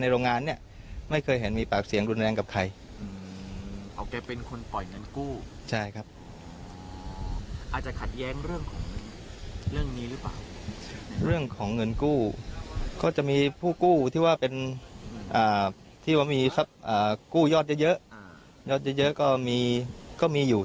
เรื่องของเงินกู้ก็จะมีผู้กู้ที่ว่าเป็นที่ว่ามีกู้ยอดเยอะก็มีอยู่